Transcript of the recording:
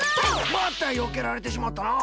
またよけられてしまったな！